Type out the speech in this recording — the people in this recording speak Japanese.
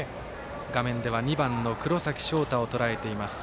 画面では２番の黒崎翔太をとらえていました。